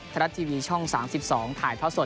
ธนัดทีวีช่อง๓๒ถ่ายพระสด